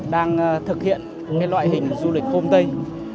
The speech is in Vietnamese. đang thực hiện loại hình du lịch hôm tây